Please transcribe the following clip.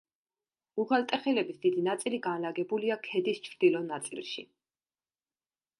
უღელტეხილების დიდი ნაწილი განლაგებულია ქედის ჩრდილო ნაწილში.